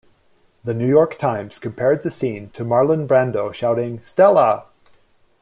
"The New York Times" compared the scene to Marlon Brando shouting "Stella!